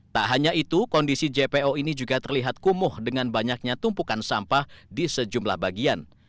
tak hanya itu kondisi jpo ini juga terlihat kumuh dengan banyaknya tumpukan sampah di sejumlah bagian